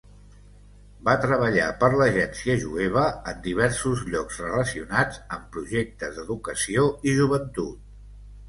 Va treballar per l'Agència Jueva en diversos llocs relacionats amb projectes d'educació i joventut.